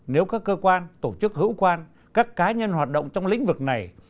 nếu các cơ quan tổ chức hữu quan các cá nhân hoạt động trong lĩnh vực này